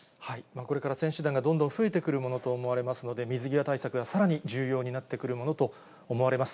これから選手団がどんどん増えてくるものと思われますので、水際対策がさらに重要になってくるものと思われます。